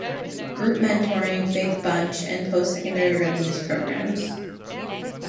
Group Mentoring, Big Bunch, and Post Secondary Readiness programs.